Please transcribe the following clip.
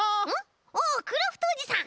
おおクラフトおじさん。